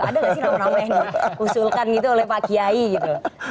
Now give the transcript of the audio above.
ada nggak sih nama nama yang diusulkan gitu oleh pak kiai gitu